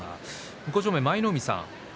向正面の舞の海さん